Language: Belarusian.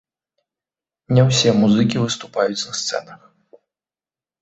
Не ўсе музыкі выступаюць на сцэнах.